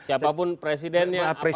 siapapun presidennya apa yang menterinya